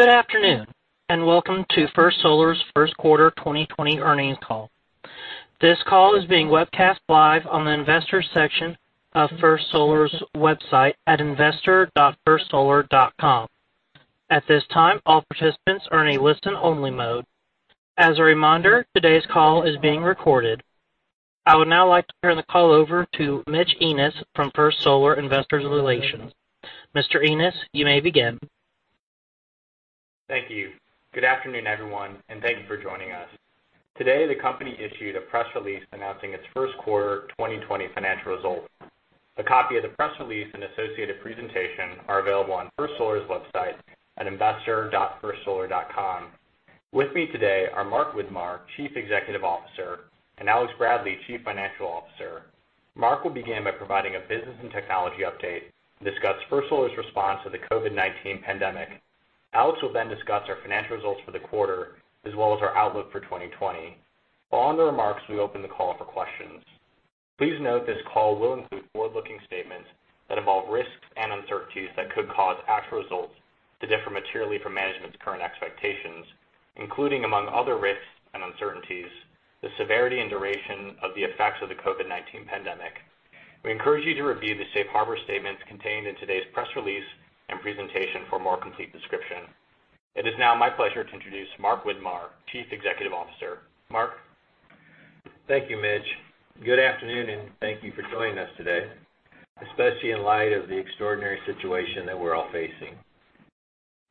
Good afternoon, and welcome to First Solar's first quarter 2020 earnings call. This call is being webcast live on the Investor section of First Solar's website at investor.firstsolar.com. At this time, all participants are in a listen-only mode. As a reminder, today's call is being recorded. I would now like to turn the call over to Mitch Ennis from First Solar Investor Relations. Mr. Ennis, you may begin. Thank you. Good afternoon, everyone, and thank you for joining us. Today, the company issued a press release announcing its first quarter 2020 financial results. A copy of the press release and associated presentation are available on First Solar's website at investor.firstsolar.com. With me today are Mark Widmar, Chief Executive Officer, and Alex Bradley, Chief Financial Officer. Mark will begin by providing a business and technology update and discuss First Solar's response to the COVID-19 pandemic. Alex will then discuss our financial results for the quarter as well as our outlook for 2020. Following their remarks, we open the call up for questions. Please note this call will include forward-looking statements that involve risks and uncertainties that could cause actual results to differ materially from management's current expectations, including, among other risks and uncertainties, the severity and duration of the effects of the COVID-19 pandemic. We encourage you to review the safe harbor statements contained in today's press release and presentation for a more complete description. It is now my pleasure to introduce Mark Widmar, Chief Executive Officer. Mark? Thank you, Mitch. Good afternoon. Thank you for joining us today, especially in light of the extraordinary situation that we're all facing.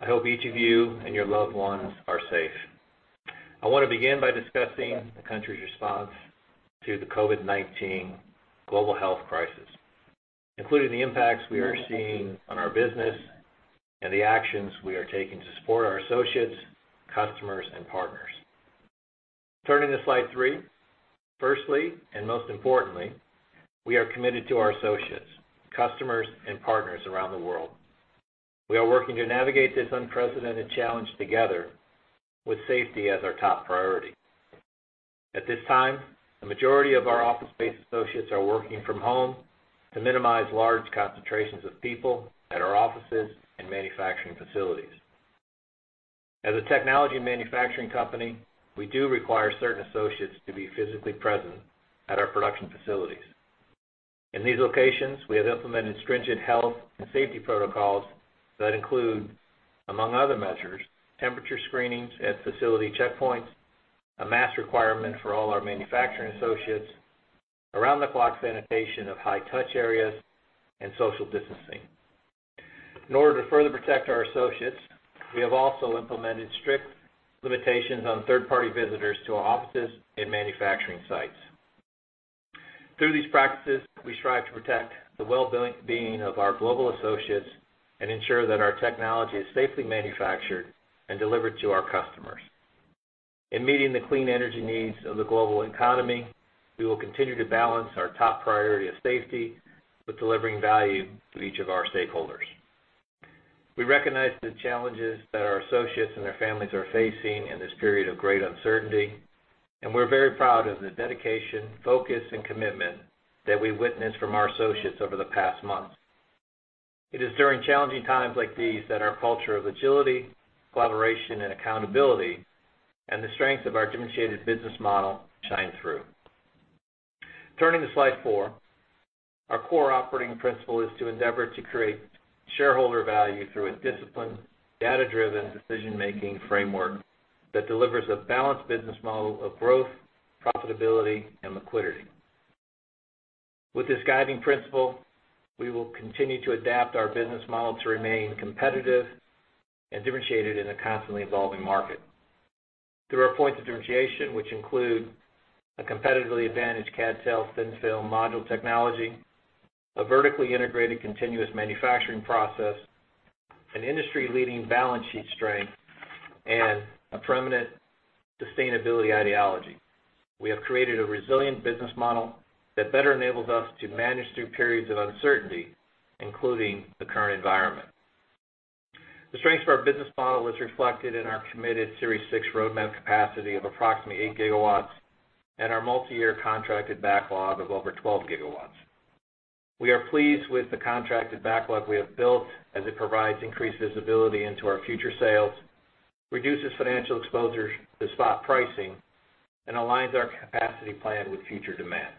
I hope each of you and your loved ones are safe. I want to begin by discussing the country's response to the COVID-19 global health crisis, including the impacts we are seeing on our business and the actions we are taking to support our associates, customers, and partners. Turning to slide three. Firstly and most importantly, we are committed to our associates, customers, and partners around the world. We are working to navigate this unprecedented challenge together with safety as our top priority. At this time, the majority of our office-based associates are working from home to minimize large concentrations of people at our offices and manufacturing facilities. As a technology and manufacturing company, we do require certain associates to be physically present at our production facilities. In these locations, we have implemented stringent health and safety protocols that include, among other measures, temperature screenings at facility checkpoints, a mask requirement for all our manufacturing associates, around-the-clock sanitation of high-touch areas, and social distancing. In order to further protect our associates, we have also implemented strict limitations on third-party visitors to our offices and manufacturing sites. Through these practices, we strive to protect the well-being of our global associates and ensure that our technology is safely manufactured and delivered to our customers. In meeting the clean energy needs of the global economy, we will continue to balance our top priority of safety with delivering value to each of our stakeholders. We recognize the challenges that our associates and their families are facing in this period of great uncertainty, and we're very proud of the dedication, focus, and commitment that we've witnessed from our associates over the past month. It is during challenging times like these that our culture of agility, collaboration, and accountability and the strength of our differentiated business model shine through. Turning to slide four. Our core operating principle is to endeavor to create shareholder value through a disciplined, data-driven decision-making framework that delivers a balanced business model of growth, profitability, and liquidity. With this guiding principle, we will continue to adapt our business model to remain competitive and differentiated in a constantly evolving market. Through our points of differentiation, which include a competitively advantaged CadTel thin-film module technology, a vertically integrated continuous manufacturing process, an industry-leading balance sheet strength, and a permanent sustainability ideology, we have created a resilient business model that better enables us to manage through periods of uncertainty, including the current environment. The strength of our business model is reflected in our committed Series 6 roadmap capacity of approximately 8 GW and our multi-year contracted backlog of over 12 GW. We are pleased with the contracted backlog we have built, as it provides increased visibility into our future sales, reduces financial exposure to spot pricing, and aligns our capacity plan with future demand.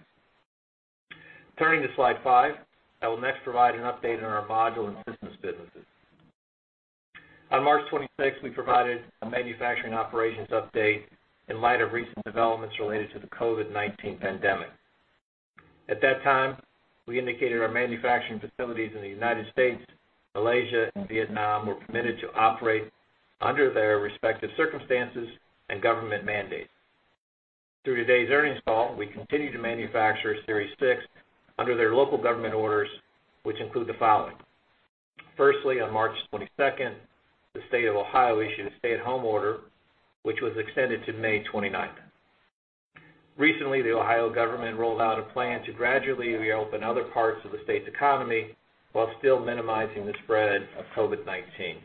Turning to slide five. I will next provide an update on our module and systems businesses. On March 26th, we provided a manufacturing operations update in light of recent developments related to the COVID-19 pandemic. At that time, we indicated our manufacturing facilities in the United States, Malaysia, and Vietnam were permitted to operate under their respective circumstances and government mandates. Through today's earnings call, we continue to manufacture Series 6 under their local government orders, which include the following. Firstly, on March 22, the State of Ohio issued a stay-at-home order, which was extended to May 29. Recently, the Ohio government rolled out a plan to gradually reopen other parts of the state's economy while still minimizing the spread of COVID-19.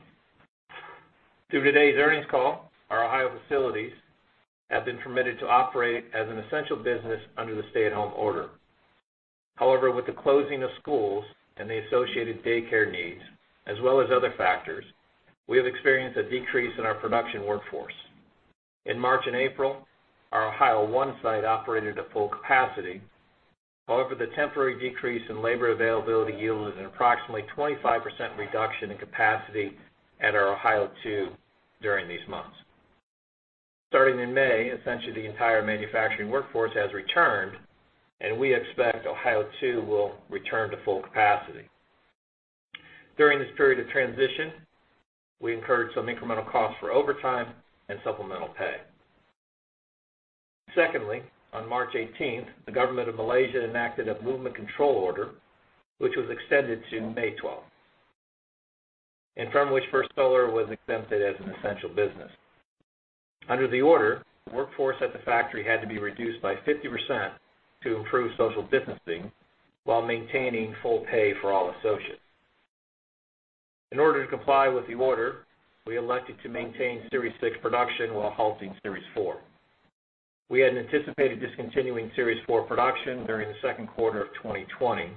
Through today's earnings call, our Ohio facilities have been permitted to operate as an essential business under the stay-at-home order. With the closing of schools and the associated daycare needs, as well as other factors, we have experienced a decrease in our production workforce. In March and April, our Ohio 1 site operated at full capacity. However, the temporary decrease in labor availability yielded an approximately 25% reduction in capacity at our Ohio 2 during these months. Starting in May, essentially the entire manufacturing workforce has returned, and we expect Ohio 2 will return to full capacity. During this period of transition, we incurred some incremental costs for overtime and supplemental pay. On March 18th, the government of Malaysia enacted a movement control order, which was extended to May 12th, and from which First Solar was exempted as an essential business. Under the order, the workforce at the factory had to be reduced by 50% to improve social distancing while maintaining full pay for all associates. In order to comply with the order, we elected to maintain Series 6 production while halting Series 4. We had anticipated discontinuing Series 4 production during the second quarter of 2020.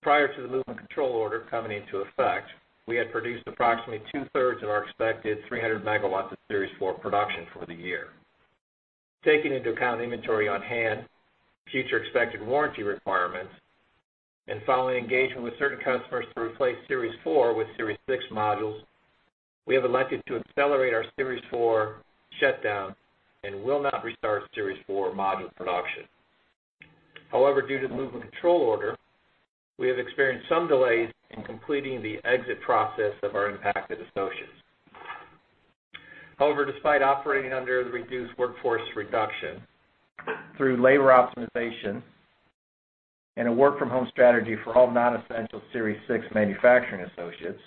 Prior to the movement control order coming into effect, we had produced approximately 2/3 of our expected 300 MW of Series 4 production for the year. Taking into account inventory on-hand, future expected warranty requirements, and following engagement with certain customers to replace Series 4 with Series 6 modules, we have elected to accelerate our Series 4 shutdown and will not restart Series 4 module production. Due to the movement control order, we have experienced some delays in completing the exit process of our impacted associates. Despite operating under the reduced workforce reduction, through labor optimization and a work-from-home strategy for all non-essential Series 6 manufacturing associates,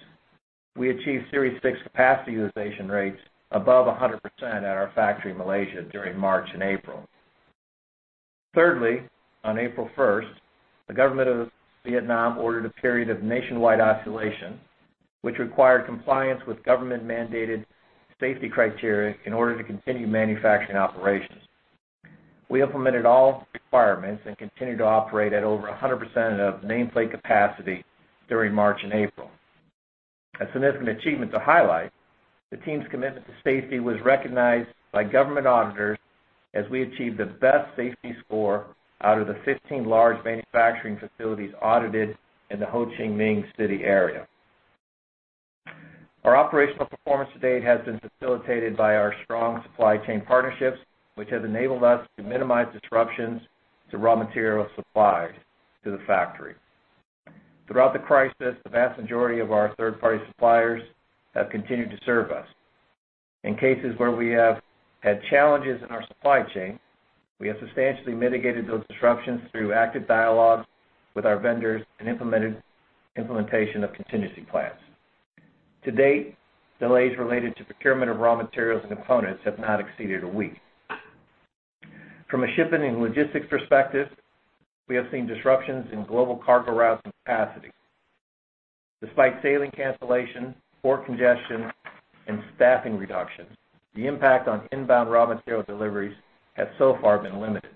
we achieved Series 6 capacity utilization rates above 100% at our factory in Malaysia during March and April. Thirdly, on April 1st, the government of Vietnam ordered a period of nationwide isolation, which required compliance with government-mandated safety criteria in order to continue manufacturing operations. We implemented all requirements and continued to operate at over 100% of nameplate capacity during March and April. A significant achievement to highlight, the team's commitment to safety was recognized by government auditors as we achieved the best safety score out of the 15 large manufacturing facilities audited in the Ho Chi Minh City area. Our operational performance to date has been facilitated by our strong supply chain partnerships, which have enabled us to minimize disruptions to raw material supplies to the factory. Throughout the crisis, the vast majority of our third-party suppliers have continued to serve us. In cases where we have had challenges in our supply chain, we have substantially mitigated those disruptions through active dialogue with our vendors and implemented implementation of contingency plans. To date, delays related to procurement of raw materials and components have not exceeded a week. From a shipping and logistics perspective, we have seen disruptions in global cargo routes and capacity. Despite sailing cancellation, port congestion, and staffing reductions, the impact on inbound raw material deliveries has so far been limited.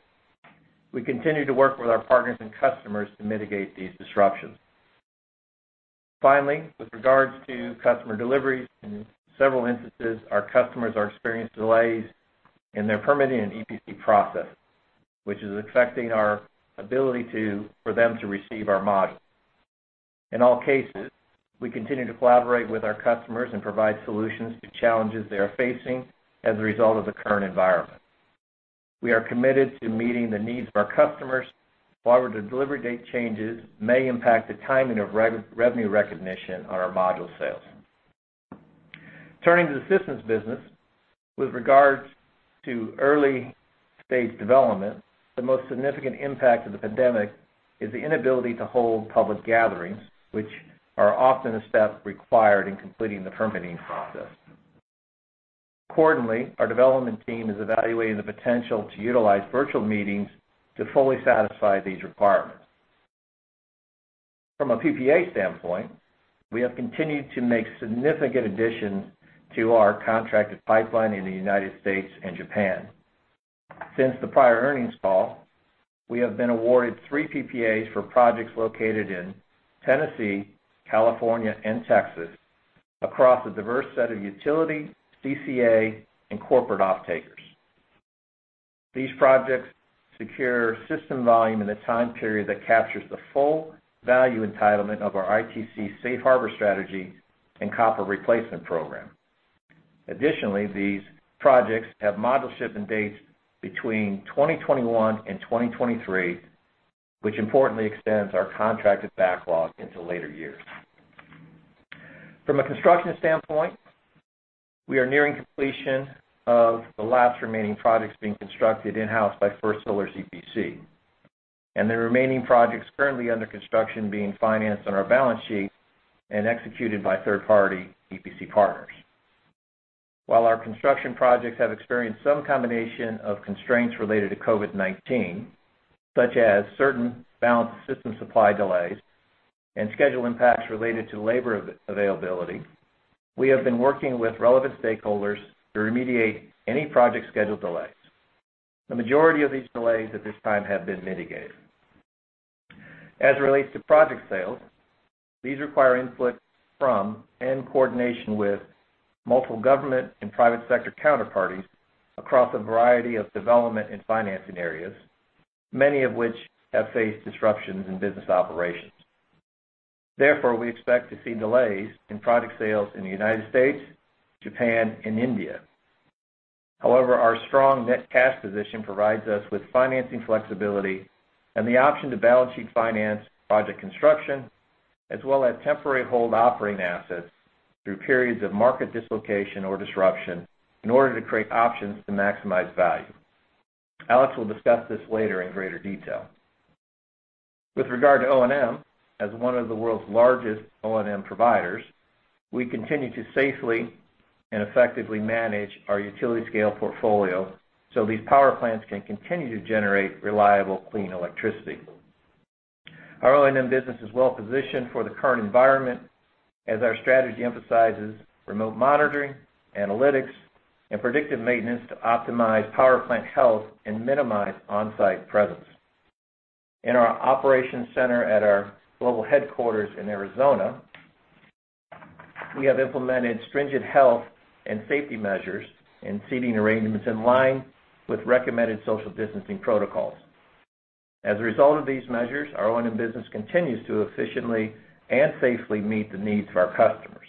We continue to work with our partners and customers to mitigate these disruptions. Finally, with regards to customer deliveries, in several instances, our customers are experiencing delays in their permitting and EPC process, which is affecting our ability for them to receive our modules. In all cases, we continue to collaborate with our customers and provide solutions to challenges they are facing as a result of the current environment. We are committed to meeting the needs of our customers. However, the delivery date changes may impact the timing of revenue recognition on our module sales. Turning to the systems business, with regards to early-stage development, the most significant impact of the pandemic is the inability to hold public gatherings, which are often a step required in completing the permitting process. Accordingly, our development team is evaluating the potential to utilize virtual meetings to fully satisfy these requirements. From a PPA standpoint, we have continued to make significant additions to our contracted pipeline in the United States and Japan. Since the prior earnings call, we have been awarded three PPAs for projects located in Tennessee, California, and Texas across a diverse set of utility, CCA, and corporate off-takers. These projects secure system volume in a time period that captures the full value entitlement of our ITC safe harbor strategy and copper replacement program. Additionally, these projects have module shipment dates between 2021 and 2023, which importantly extends our contracted backlog into later years. From a construction standpoint, we are nearing completion of the last remaining projects being constructed in-house by First Solar EPC and the remaining projects currently under construction being financed on our balance sheet and executed by third-party EPC partners. While our construction projects have experienced some combination of constraints related to COVID-19, such as certain balance system supply delays and schedule impacts related to labor availability, we have been working with relevant stakeholders to remediate any project schedule delays. The majority of these delays at this time have been mitigated. As it relates to project sales, these require input from and coordination with multiple government and private sector counterparties across a variety of development and financing areas, many of which have faced disruptions in business operations. Therefore, we expect to see delays in product sales in the United States, Japan, and India. However, our strong net cash position provides us with financing flexibility and the option to balance sheet finance project construction, as well as temporarily hold operating assets through periods of market dislocation or disruption in order to create options to maximize value. Alex will discuss this later in greater detail. With regard to O&M, as one of the world's largest O&M providers, we continue to safely and effectively manage our utility scale portfolio so these power plants can continue to generate reliable, clean electricity. Our O&M business is well-positioned for the current environment, as our strategy emphasizes remote monitoring, analytics, and predictive maintenance to optimize power plant health and minimize on-site presence. In our operations center at our global headquarters in Arizona, we have implemented stringent health and safety measures and seating arrangements in line with recommended social distancing protocols. As a result of these measures, our O&M business continues to efficiently and safely meet the needs of our customers.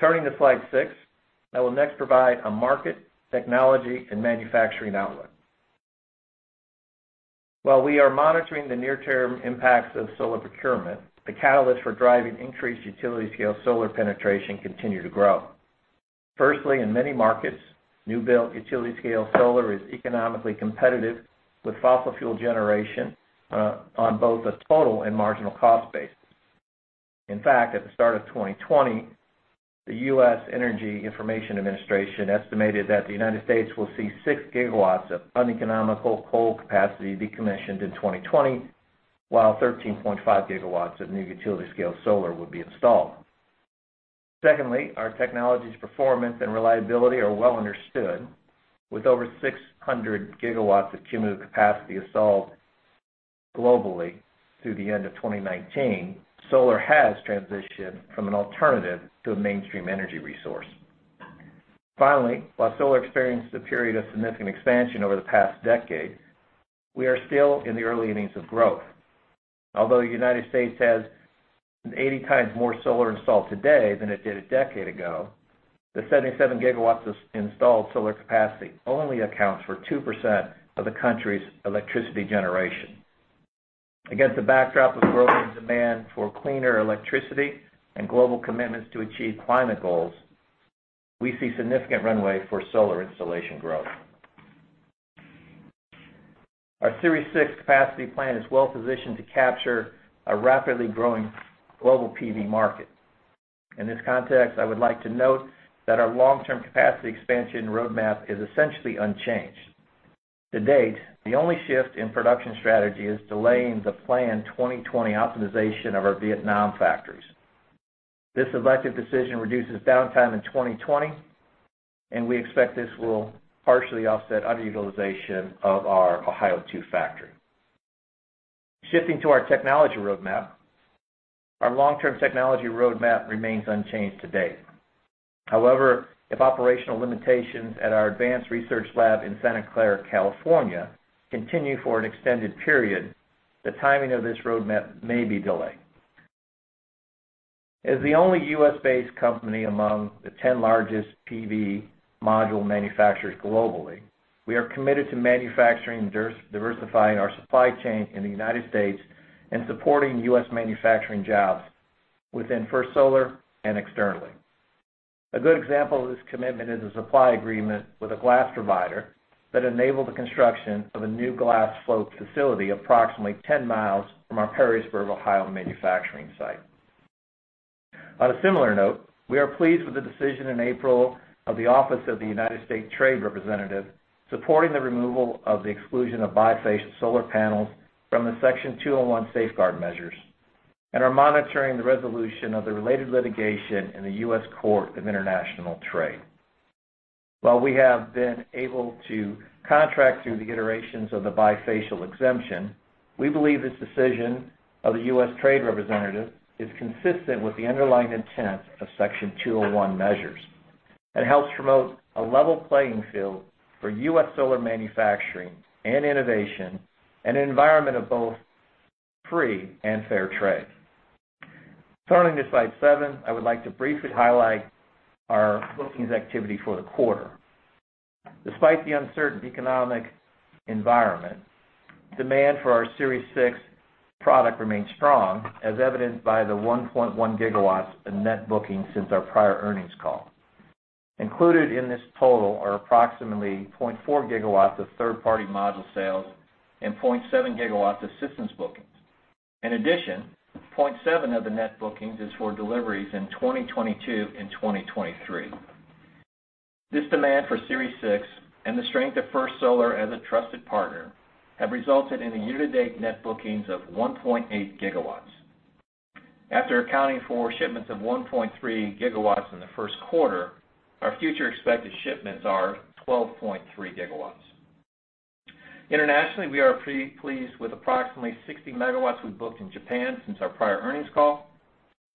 Turning to slide six, I will next provide a market, technology, and manufacturing outlook. While we are monitoring the near-term impacts of solar procurement, the catalysts for driving increased utility-scale solar penetration continue to grow. Firstly, in many markets, new-build utility scale solar is economically competitive with fossil fuel generation on both a total and marginal cost basis. In fact, at the start of 2020, the U.S. Energy Information Administration estimated that the United States will see 6 GW of uneconomical coal capacity decommissioned in 2020, while 13.5 GW of new utility-scale solar will be installed. Secondly, our technology's performance and reliability are well understood, with over 600 GW of cumulative capacity installed globally through the end of 2019. Solar has transitioned from an alternative to a mainstream energy resource. Finally, while solar experienced a period of significant expansion over the past decade, we are still in the early innings of growth. Although the United States has 80 times more solar installed today than it did a decade ago, the 77 GW of installed solar capacity only accounts for 2% of the country's electricity generation. Against a backdrop of growing demand for cleaner electricity and global commitments to achieve climate goals, we see significant runway for solar installation growth. Our Series 6 capacity plan is well-positioned to capture a rapidly growing global PV market. In this context, I would like to note that our long-term capacity expansion roadmap is essentially unchanged. To date, the only shift in production strategy is delaying the planned 2020 optimization of our Vietnam factories. This elected decision reduces downtime in 2020, and we expect this will partially offset underutilization of our Ohio 2 factory. Shifting to our technology roadmap, our long-term technology roadmap remains unchanged to date. However, if operational limitations at our advanced research lab in Santa Clara, California continue for an extended period, the timing of this roadmap may be delayed. As the only U.S.-based company among the 10 largest PV module manufacturers globally, we are committed to manufacturing and diversifying our supply chain in the United States and supporting U.S. manufacturing jobs within First Solar and externally. A good example of this commitment is a supply agreement with a glass provider that enabled the construction of a new glass float facility approximately 10 mil from our Perrysburg, Ohio, manufacturing site. On a similar note, we are pleased with the decision in April of the Office of the United States Trade Representative supporting the removal of the exclusion of bifacial solar panels from the Section 201 safeguard measures, and are monitoring the resolution of the related litigation in the U.S. Court of International Trade. While we have been able to contract through the iterations of the bifacial exemption, we believe this decision of the U.S. Trade Representative is consistent with the underlying intent of Section 201 measures, helps promote a level playing field for U.S. solar manufacturing and innovation and an environment of both free and fair trade. Turning to slide seven, I would like to briefly highlight our bookings activity for the quarter. Despite the uncertain economic environment, demand for our Series 6 product remains strong, as evidenced by the 1.1 GW of net bookings since our prior earnings call. Included in this total are approximately 0.4 GW of third-party module sales and 0.7 GW of systems bookings. In addition, 0.7 of the net bookings is for deliveries in 2022 and 2023. This demand for Series 6 and the strength of First Solar as a trusted partner have resulted in year-to-date net bookings of 1.8 GW. After accounting for shipments of 1.3 GW in the first quarter, our future expected shipments are 12.3 GW. Internationally, we are pretty pleased with approximately 60 MW we booked in Japan since our prior earnings call.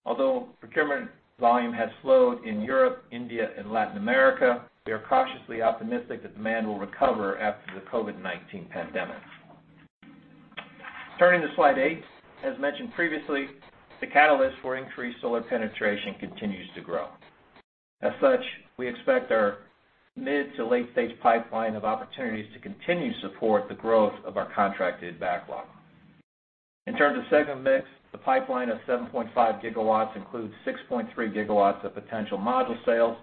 Although procurement volume has slowed in Europe, India, and Latin America, we are cautiously optimistic that demand will recover after the COVID-19 pandemic. Turning to slide eight. As mentioned previously, the catalyst for increased solar penetration continues to grow. As such, we expect our mid to late-stage pipeline of opportunities to continue to support the growth of our contracted backlog. In terms of segment mix, the pipeline of 7.5 GW includes 6.3 GW of potential module sales,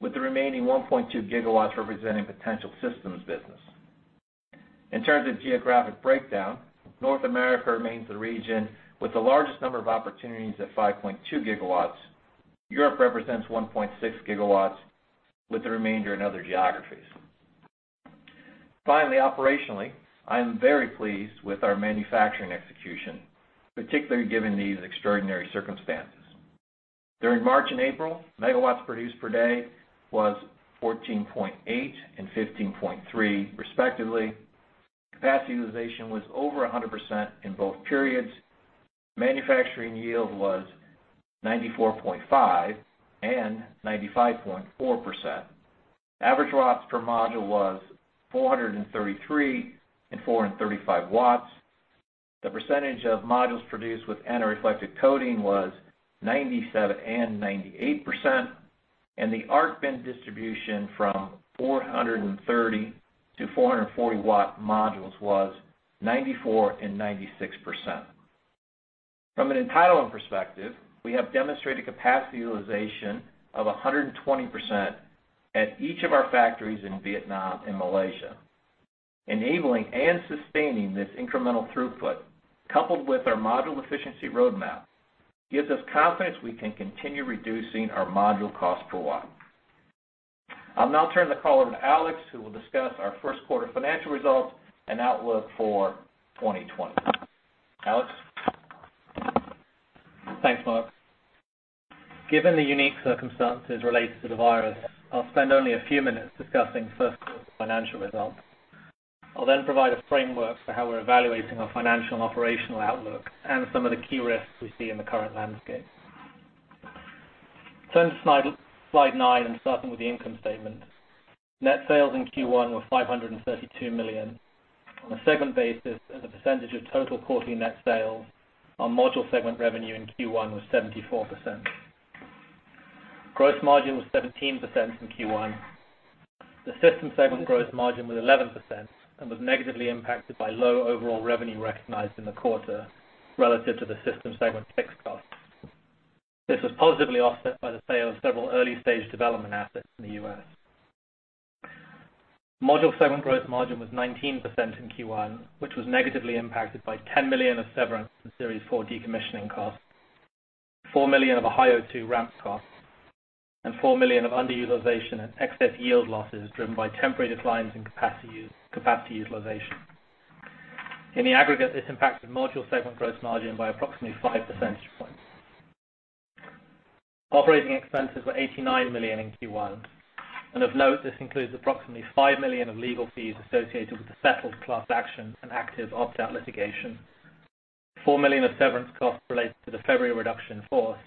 with the remaining 1.2 GW representing potential systems business. In terms of geographic breakdown, North America remains the region with the largest number of opportunities at 5.2 GW. Europe represents 1.6 GW, with the remainder in other geographies. Finally, operationally, I am very pleased with our manufacturing execution, particularly given these extraordinary circumstances. During March and April, megawatts produced per day was 14.8 and 15.3 respectively. Capacity utilization was over 100% in both periods. Manufacturing yield was 94.5% and 95.4%. Average watts per module was 433 and 435 W. The percentage of modules produced with anti-reflective coating was 97% and 98%, and the ARC bin distribution from 430-440-W modules was 94% and 96%. From an entitlement perspective, we have demonstrated capacity utilization of 120% at each of our factories in Vietnam and Malaysia. Enabling and sustaining this incremental throughput, coupled with our module efficiency roadmap, gives us confidence we can continue reducing our module cost per watt. I'll now turn the call over to Alex, who will discuss our first quarter financial results and outlook for 2020. Alex? Thanks, Mark. Given the unique circumstances related to the virus, I'll spend only a few minutes discussing First Solar's financial results. I'll provide a framework for how we're evaluating our financial and operational outlook and some of the key risks we see in the current landscape. Turning to slide nine, starting with the income statement. Net sales in Q1 were $532 million. On a segment basis as a percentage of total quarterly net sales, our module segment revenue in Q1 was 74%. Gross margin was 17% in Q1. The system segment gross margin was 11% and was negatively impacted by low overall revenue recognized in the quarter relative to the system segment fixed cost. This was positively offset by the sale of several early-stage development assets in the U.S. Module segment gross margin was 19% in Q1, which was negatively impacted by $10 million of severance from Series 4 decommissioning costs, $4 million of Ohio 2 ramp costs, and $4 million of underutilization and excess yield losses driven by temporary declines in capacity utilization. In the aggregate, this impacted module segment gross margin by approximately 5 percentage points. Operating Expenses were $89 million in Q1. Of note, this includes approximately $5 million of legal fees associated with the settled class action and active opt-out litigation. $4 million of severance costs related to the February reduction in force,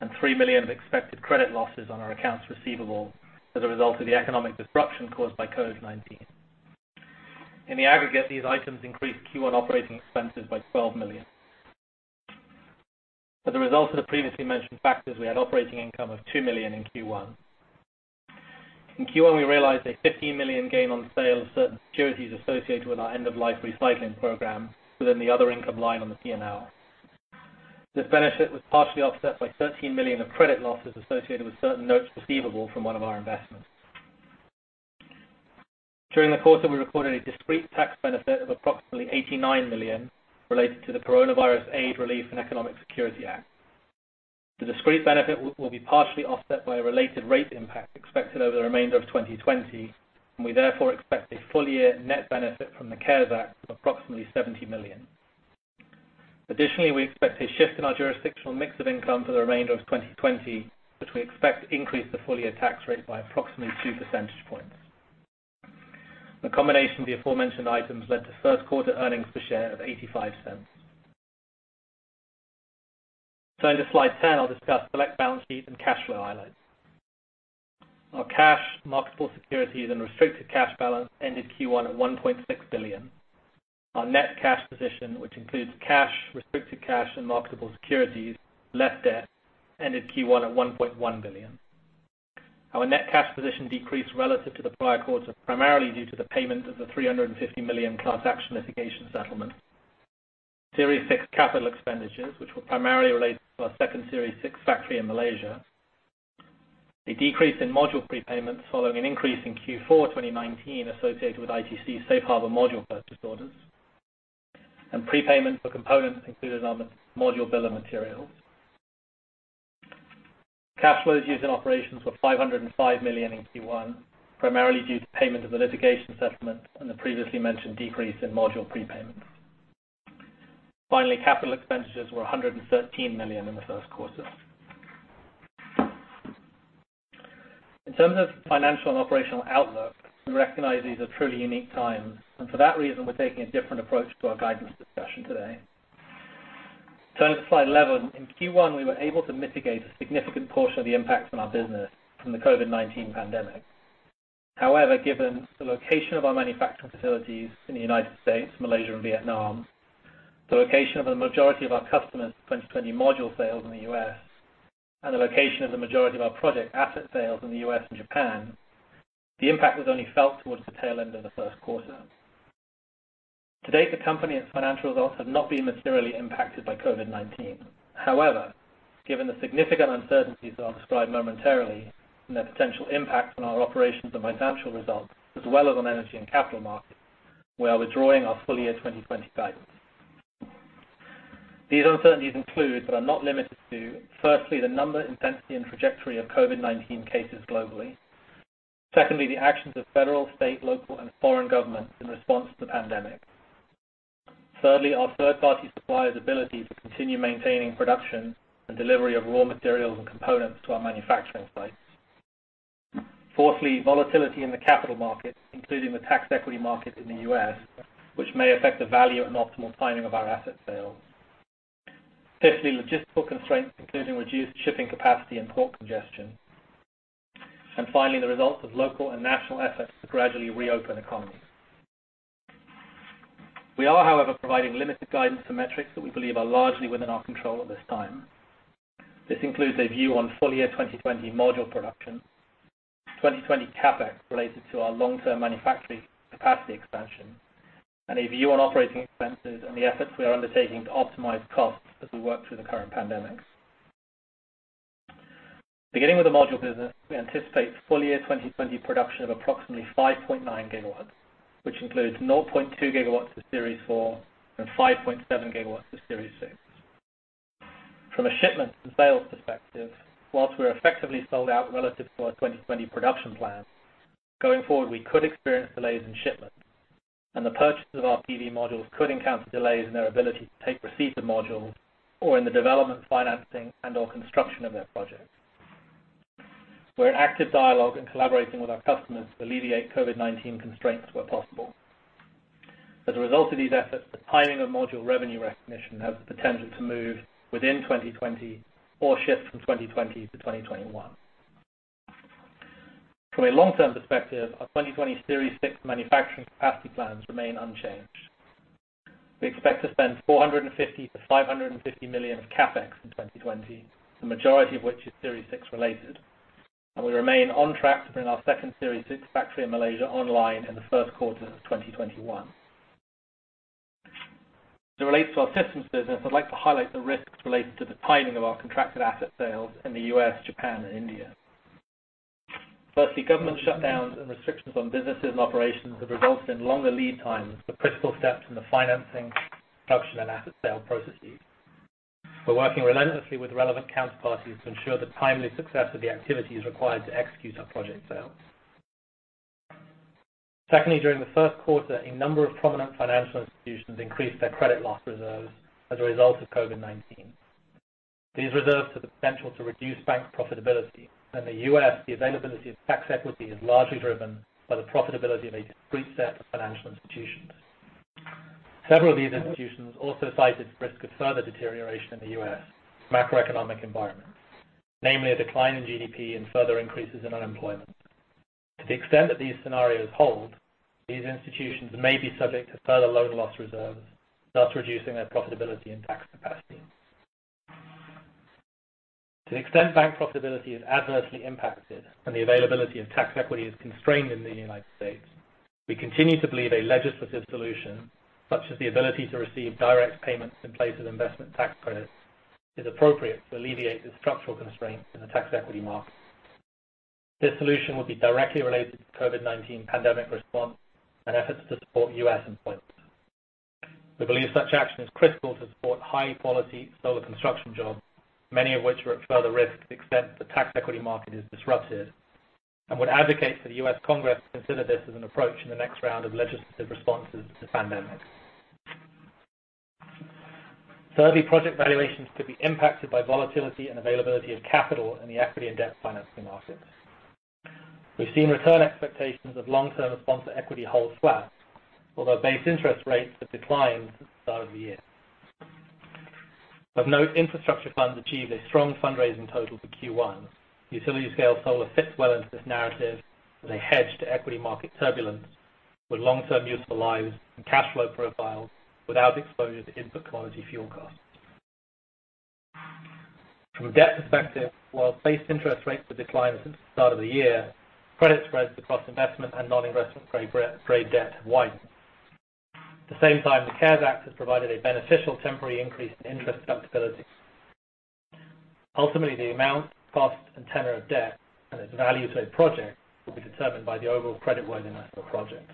and $3 million of expected credit losses on our accounts receivable as a result of the economic disruption caused by COVID-19. In the aggregate, these items increased Q1 Operating Expenses by $12 million. As a result of the previously mentioned factors, we had operating income of $2 million in Q1. In Q1, we realized a $15 million gain on the sale of certain securities associated with our end-of-life recycling program within the other income line on the P&L. This benefit was partially offset by $13 million of credit losses associated with certain notes receivable from one of our investments. During the quarter, we recorded a discrete tax benefit of approximately $89 million related to the Coronavirus Aid, Relief, and Economic Security Act. The discrete benefit will be partially offset by a related rate impact expected over the remainder of 2020, and we therefore expect a full-year net benefit from the CARES Act of approximately $70 million. Additionally, we expect a shift in our jurisdictional mix of income for the remainder of 2020, which we expect to increase the full-year tax rate by approximately 2 percentage points. The combination of the aforementioned items led to first quarter earnings per share of $0.85. Turning to slide 10, I'll discuss select balance sheet and cash flow highlights. Our cash, marketable securities, and restricted cash balance ended Q1 at $1.6 billion. Our net cash position, which includes cash, restricted cash, and marketable securities, less debt, ended Q1 at $1.1 billion. Our net cash position decreased relative to the prior quarter, primarily due to the payment of the $350 million class action litigation settlement. Series 6 capital expenditures, which were primarily related to our second Series 6 factory in Malaysia. A decrease in module prepayments following an increase in Q4 2019 associated with ITC safe harbor module purchase orders. Prepayment for components included on the module bill of materials. Cash flows used in operations were $505 million in Q1, primarily due to payment of the litigation settlement and the previously mentioned decrease in module prepayments. Finally, capital expenditures were $113 million in the first quarter. In terms of financial and operational outlook, we recognize these are truly unique times, and for that reason, we're taking a different approach to our guidance discussion today. Turning to slide 11. In Q1, we were able to mitigate a significant portion of the impact on our business from the COVID-19 pandemic. However, given the location of our manufacturing facilities in the United States, Malaysia, and Vietnam, the location of the majority of our customers' 2020 module sales in the U.S., and the location of the majority of our project asset sales in the U.S. and Japan, the impact was only felt towards the tail end of the first quarter. To date, the company and its financial results have not been materially impacted by COVID-19. However, given the significant uncertainties that I'll describe momentarily and their potential impact on our operations and financial results, as well as on energy and capital markets, we are withdrawing our full-year 2020 guidance. These uncertainties include, but are not limited to, firstly, the number, intensity, and trajectory of COVID-19 cases globally. Secondly, the actions of federal, state, local, and foreign governments in response to the pandemic. Thirdly, our third-party suppliers' ability to continue maintaining production and delivery of raw materials and components to our manufacturing sites. Fourthly, volatility in the capital markets, including the tax equity market in the U.S., which may affect the value and optimal timing of our asset sales. Fifthly, logistical constraints, including reduced shipping capacity and port congestion. Finally, the results of local and national efforts to gradually reopen economies. We are, however, providing limited guidance for metrics that we believe are largely within our control at this time. This includes a view on full-year 2020 module production, 2020 CapEx related to our long-term manufacturing capacity expansion, and a view on Operating Expenses and the efforts we are undertaking to optimize costs as we work through the current pandemic. Beginning with the module business, we anticipate full-year 2020 production of approximately 5.9 GW, which includes 0.2 GW of Series 4 and 5.7 GW of Series 6. From a shipment and sales perspective, whilst we're effectively sold out relative to our 2020 production plan, going forward, we could experience delays in shipments, and the purchasers of our PV modules could encounter delays in their ability to take receipt of modules or in the development, financing, and/or construction of their projects. We're in active dialogue and collaborating with our customers to alleviate COVID-19 constraints where possible. As a result of these efforts, the timing of module Revenue Recognition has the potential to move within 2020 or shift from 2020-2021. From a long-term perspective, our 2020 Series 6 manufacturing capacity plans remain unchanged. We expect to spend $450 million-$550 million of CapEx in 2020, the majority of which is Series 6 related, and we remain on track to bring our second Series 6 factory in Malaysia online in the first quarter of 2021. As it relates to our systems business, I'd like to highlight the risks related to the timing of our contracted asset sales in the U.S., Japan, and India. Firstly, government shutdowns and restrictions on businesses and operations have resulted in longer lead times for critical steps in the financing, production, and asset sale processes. We're working relentlessly with relevant counterparties to ensure the timely success of the activities required to execute our project sales. Secondly, during the first quarter, a number of prominent financial institutions increased their credit loss reserves as a result of COVID-19. These reserves have the potential to reduce bank profitability. In the U.S., the availability of tax equity is largely driven by the profitability of a discrete set of financial institutions. Several of these institutions also cited risk of further deterioration in the U.S. macroeconomic environment, namely a decline in GDP and further increases in unemployment. To the extent that these scenarios hold, these institutions may be subject to further loan loss reserves, thus reducing their profitability and tax capacity. To the extent bank profitability is adversely impacted and the availability of tax equity is constrained in the U.S., we continue to believe a legislative solution, such as the ability to receive direct payments in place of investment tax credits, is appropriate to alleviate the structural constraints in the tax equity market. This solution would be directly related to the COVID-19 pandemic response and efforts to support U.S. employment. We believe such action is critical to support high-quality solar construction jobs, many of which are at further risk to the extent the tax equity market is disrupted and would advocate for the U.S. Congress to consider this as an approach in the next round of legislative responses to the pandemic. Thirdly, project valuations could be impacted by volatility and availability of capital in the equity and debt financing markets. We've seen return expectations of long-term sponsor equity hold flat, although base interest rates have declined since the start of the year. Of note, infrastructure funds achieved a strong fundraising total for Q1. Utility-scale solar fits well into this narrative as a hedge to equity market turbulence with long-term useful lives and cash flow profiles without exposure to input commodity fuel costs. From a debt perspective, while base interest rates have declined since the start of the year, credit spreads across investment and non-investment grade debt have widened. At the same time, the CARES Act has provided a beneficial temporary increase in interest deductibility. Ultimately, the amount, cost, and tenor of debt and its value to a project will be determined by the overall creditworthiness of a project.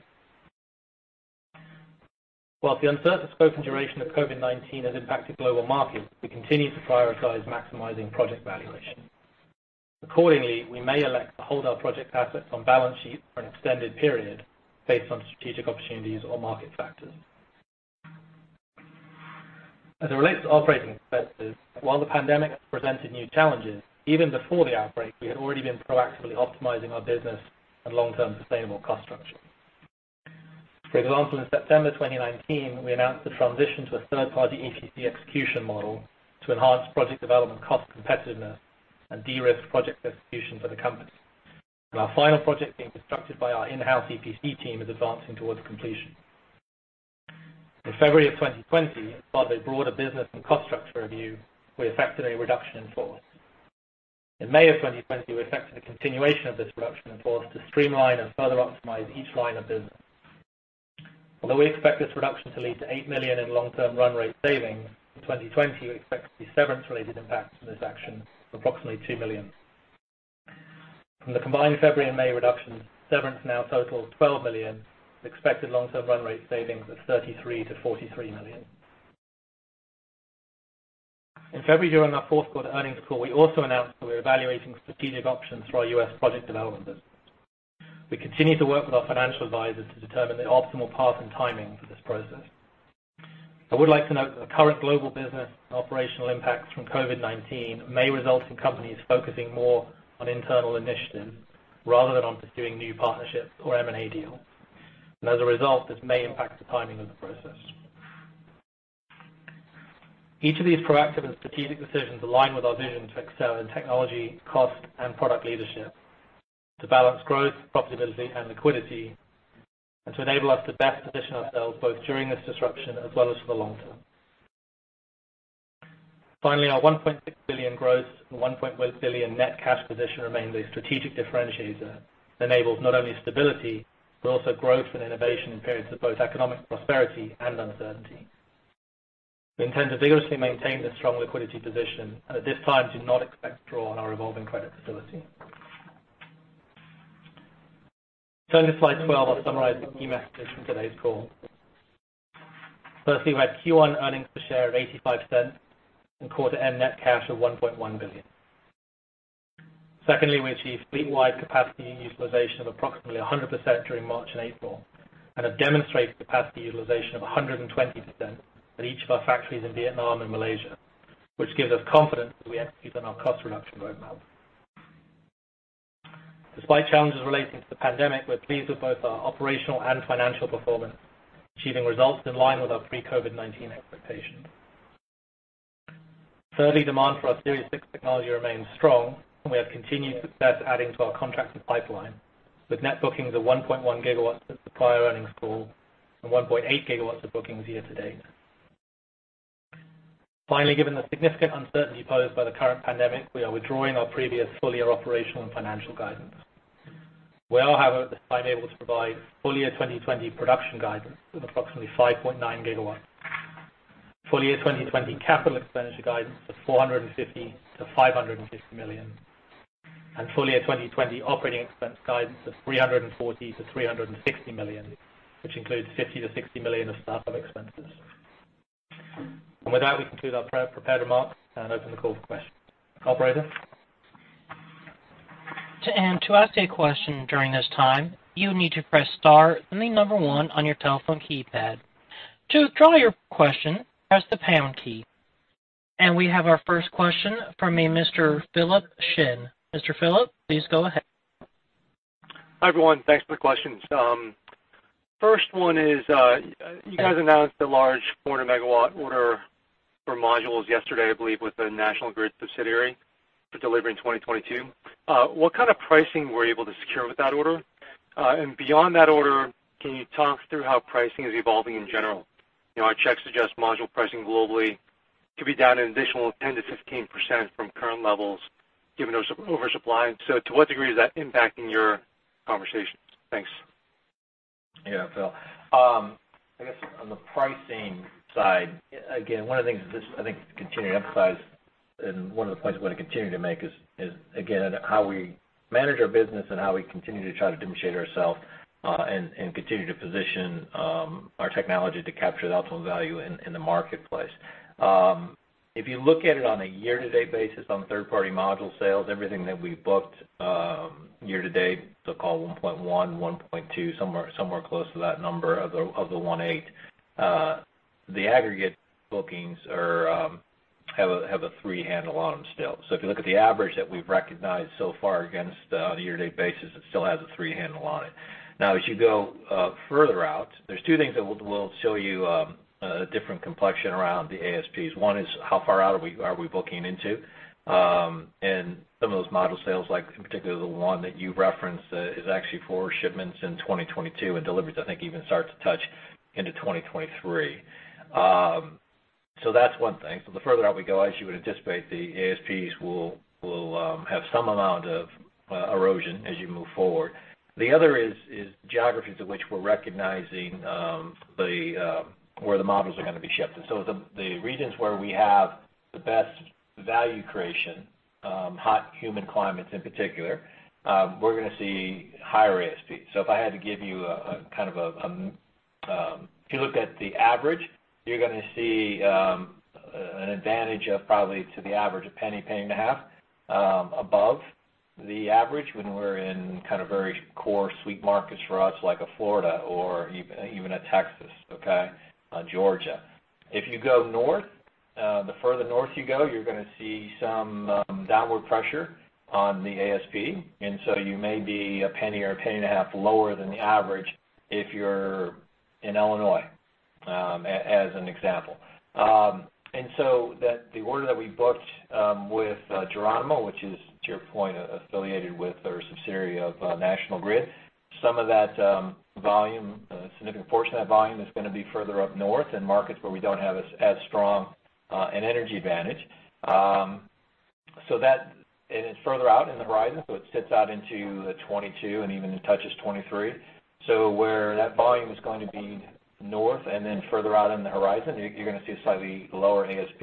Whilst the uncertain scope and duration of COVID-19 has impacted global markets, we continue to prioritize maximizing project valuation. Accordingly, we may elect to hold our project assets on balance sheet for an extended period based on strategic opportunities or market factors. As it relates to operating expenses, while the pandemic has presented new challenges, even before the outbreak, we had already been proactively optimizing our business and long-term sustainable cost structure. For example, in September 2019, we announced the transition to a third-party EPC execution model to enhance project development cost competitiveness and de-risk project execution for the company. Our final project being constructed by our in-house EPC team is advancing towards completion. In February of 2020, as part of a broader business and cost structure review, we effected a reduction in force. In May of 2020, we effected a continuation of this reduction in force to streamline and further optimize each line of business. Although we expect this reduction to lead to $8 million in long-term run rate savings, in 2020, we expect to see severance-related impacts from this action of approximately $2 million. From the combined February and May reductions, severance now totals $12 million, with expected long-term run rate savings of $33 million-$43 million. In February, during our fourth quarter earnings call, we also announced that we're evaluating strategic options for our U.S. project development business. We continue to work with our financial advisors to determine the optimal path and timing for this process. I would like to note that the current global business and operational impacts from COVID-19 may result in companies focusing more on internal initiatives rather than on pursuing new partnerships or M&A deals, and as a result, this may impact the timing of the process. Each of these proactive and strategic decisions align with our vision to excel in technology, cost, and product leadership, to balance growth, profitability, and liquidity, and to enable us to best position ourselves both during this disruption as well as for the long term. Finally, our $1.6 billion gross and $1.1 billion net cash position remains a strategic differentiator that enables not only stability, but also growth and innovation in periods of both economic prosperity and uncertainty. We intend to vigorously maintain this strong liquidity position and at this time do not expect to draw on our revolving credit facility. Turning to slide 12, I'll summarize the key messages from today's call. We had Q1 earnings per share of $0.85 and quarter end net cash of $1.1 billion. We achieved fleet-wide capacity utilization of approximately 100% during March and April and have demonstrated capacity utilization of 120% at each of our factories in Vietnam and Malaysia, which gives us confidence that we have execution on our cost reduction road map. Despite challenges relating to the pandemic, we're pleased with both our operational and financial performance, achieving results in line with our pre-COVID-19 expectations. Demand for our Series 6 technology remains strong, and we have continued success adding to our contracted pipeline with net bookings of 1.1 GW since the prior earnings call and 1.8 GW of bookings year to date. Finally, given the significant uncertainty posed by the current pandemic, we are withdrawing our previous full year operational and financial guidance. We are, however, at this time able to provide full year 2020 production guidance of approximately 5.9 GW, full year 2020 capital expenditure guidance of $450 million-$550 million, and full year 2020 operating expense guidance of $340 million-$360 million, which includes $50 million-$60 million of startup expenses. With that, we conclude our pre-prepared remarks and open the call for questions. Operator? To ask a question during this time, you need to press star, then the number one on your telephone keypad. To withdraw your question, press the pound key. We have our first question from a Mr. Philip Shen. Mr. Philip, please go ahead. Hi, everyone. Thanks for the questions. First one is, you guys announced the large 400 MW order for modules yesterday, I believe, with the National Grid subsidiary for delivery in 2022. What kind of pricing were you able to secure with that order? Beyond that order, can you talk through how pricing is evolving in general? Our checks suggest module pricing globally could be down an additional 10%-15% from current levels given the oversupply. To what degree is that impacting your conversations? Thanks. Yeah, Phil. I guess on the pricing side, again, one of the things is just I think to continue to emphasize, and one of the points I want to continue to make is, again, how we manage our business and how we continue to try to differentiate ourselves, and continue to position our technology to capture the optimal value in the marketplace. You look at it on a year-to-date basis on third-party module sales, everything that we booked year-to-date, so call it 1.1, 1.2, somewhere close to that number of the 1.8. The aggregate bookings have a three handle on them still. If you look at the average that we've recognized so far against on a year-to-date basis, it still has a three handle on it. As you go further out, there's two things that we'll show you a different complexion around the ASPs. One is how far out are we booking into? Some of those module sales, like in particular the one that you referenced, is actually for shipments in 2022 and deliveries I think even start to touch into 2023. That's one thing. The further out we go, as you would anticipate, the ASPs will. Have some amount of erosion as you move forward. The other is geographies in which we're recognizing where the models are going to be shifted. The regions where we have the best value creation, hot, humid climates in particular, we're going to see higher ASPs. If I had to give you a kind of a If you look at the average, you're going to see an advantage of probably to the average, $0.01, $0.015 above the average when we're in very core sweet markets for us, like a Florida or even a Texas, okay? Georgia. If you go north, the further north you go, you're going to see some downward pressure on the ASP. You may be $0.01 or $0.015 lower than the average if you're in Illinois, as an example. The order that we booked with Geronimo, which is, to your point, affiliated with or a subsidiary of National Grid, a significant portion of that volume is going to be further up north in markets where we don't have as strong an energy advantage. That is further out in the horizon. It sits out into 2022 and even touches 2023. Where that volume is going to be north and then further out in the horizon, you're going to see a slightly lower ASP.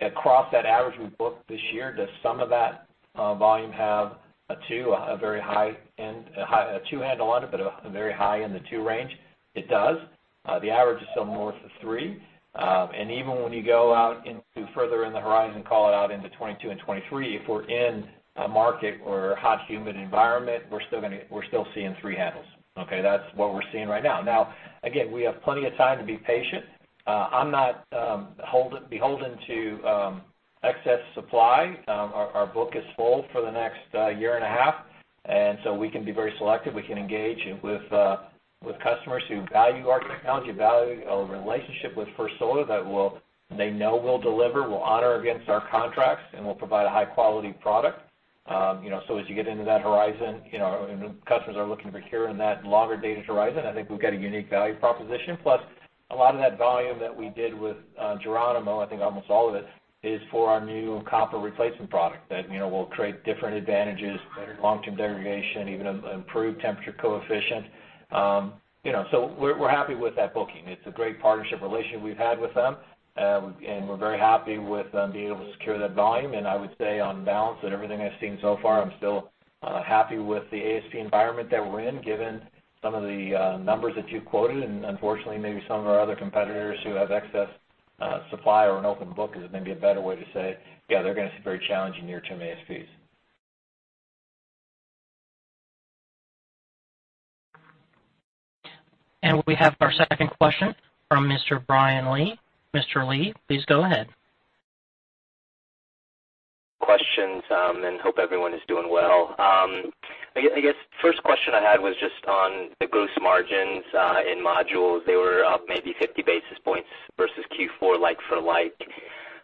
Across that average we booked this year, does some of that volume have a two, a very high end, a two handle on it, but very high in the two range? It does. The average is somewhere north of three. Even when you go out into further in the horizon, call it out into 2022 and 2023, if we're in a market or hot, humid environment, we're still seeing three handles. Okay. That's what we're seeing right now. Again, we have plenty of time to be patient. I'm not beholden to excess supply. Our book is full for the next year and a half, we can be very selective. We can engage with customers who value our technology, value a relationship with First Solar that they know will deliver, we'll honor against our contracts, and we'll provide a high-quality product. As you get into that horizon, and customers are looking to procure in that longer-dated horizon, I think we've got a unique value proposition. A lot of that volume that we did with Geronimo, I think almost all of it, is for our new copper replacement product that will create different advantages, better long-term degradation, even improved temperature coefficient. We're happy with that booking. It's a great partnership relationship we've had with them. We're very happy with being able to secure that volume. I would say on balance, that everything I've seen so far, I'm still happy with the ASP environment that we're in, given some of the numbers that you've quoted. Unfortunately, maybe some of our other competitors who have excess supply or an open book is maybe a better way to say, yeah, they're going to see very challenging near-term ASPs. We have our second question from Mr. Brian Lee. Mr. Lee, please go ahead. Questions. Hope everyone is doing well. I guess first question I had was just on the gross margins in modules. They were up maybe 50 basis points versus Q4 like for like.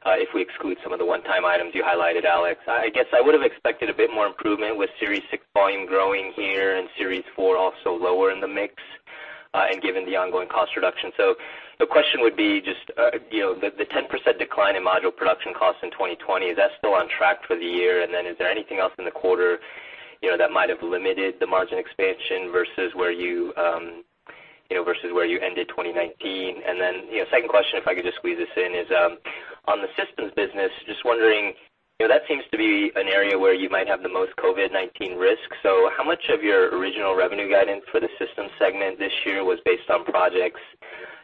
If we exclude some of the one-time items you highlighted, Alex, I guess I would have expected a bit more improvement with Series 6 volume growing here and Series 4 also lower in the mix, and given the ongoing cost reduction. The question would be just the 10% decline in module production costs in 2020, is that still on track for the year? Is there anything else in the quarter that might have limited the margin expansion versus where you ended 2019? Second question, if I could just squeeze this in, is on the systems business, just wondering, that seems to be an area where you might have the most COVID-19 risk. How much of your original revenue guidance for the systems segment this year was based on projects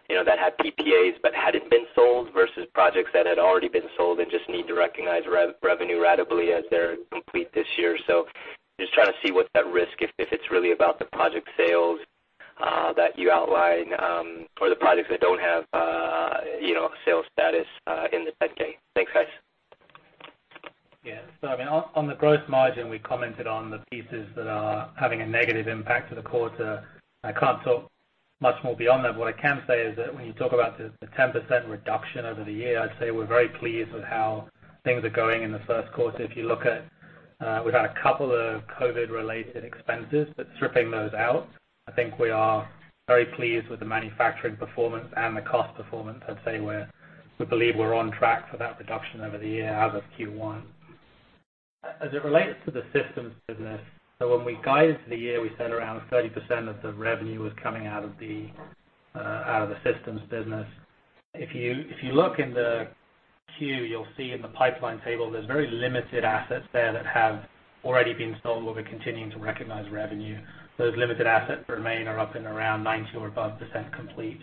that had PPAs but hadn't been sold, versus projects that had already been sold and just need to recognize revenue ratably as they're complete this year? Just trying to see what's at risk, if it's really about the project sales that you outlined or the projects that don't have sales status in the 10-K. Thanks, guys. Yeah. On the gross margin, we commented on the pieces that are having a negative impact to the quarter. I can't talk much more beyond that. What I can say is that when you talk about the 10% reduction over the year, I'd say we're very pleased with how things are going in the first quarter. If you look at, we've had a couple of COVID-related expenses, stripping those out, I think we are very pleased with the manufacturing performance and the cost performance. I'd say we believe we're on track for that reduction over the year out of Q1. As it relates to the systems business, when we guided the year, we said around 30% of the revenue was coming out of the systems business. If you look in the Q, you'll see in the pipeline table, there's very limited assets there that have already been sold where we're continuing to recognize revenue. Those limited assets remain are up and around 90% or above complete.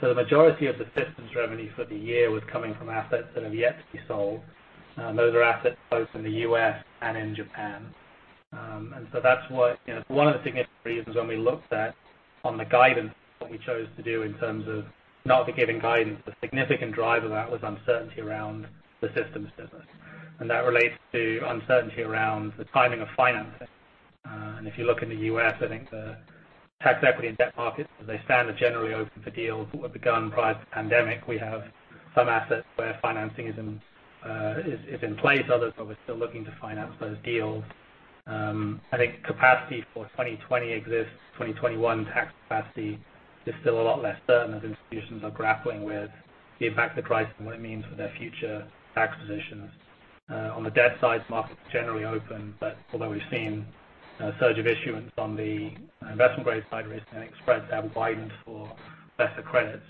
The majority of the systems revenue for the year was coming from assets that have yet to be sold. Those are assets both in the U.S. and in Japan. That's one of the significant reasons when we looked at on the guidance, what we chose to do in terms of not giving guidance. The significant driver of that was uncertainty around the systems business. That relates to uncertainty around the timing of financing. If you look in the U.S., I think the tax equity and debt markets as they stand are generally open for deals that were begun prior to the pandemic. We have some assets where financing is in place, others where we're still looking to finance those deals. I think capacity for 2020 exists. 2021 tax capacity is still a lot less certain as institutions are grappling with the impact of the crisis and what it means for their future tax positions. On the debt side, markets are generally open. Although we've seen a surge of issuance on the investment-grade side recently, spreads have widened for lesser credits.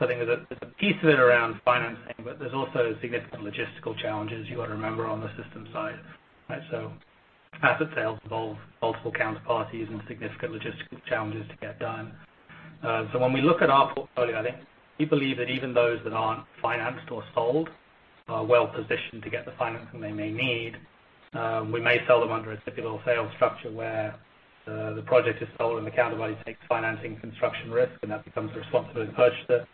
I think there's a piece of it around financing, but there's also significant logistical challenges you got to remember on the systems side, right? Asset sales involve multiple counterparties and significant logistical challenges to get done. When we look at our portfolio, I think we believe that even those that aren't financed or sold are well-positioned to get the financing they may need. We may sell them under a typical sale structure where the project is sold, and the counterparty takes financing construction risk, and that becomes the responsibility of the purchaser.